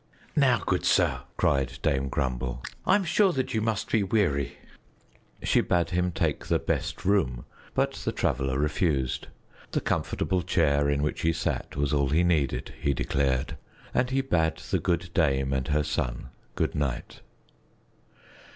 "Now good sir," cried Dame Grumble, "I am sure you must be weary." She bade him take the best room, but the Traveler refused. The comfortable chair in which he sat was all he needed, he declared, and he bade the good dame and her son good night.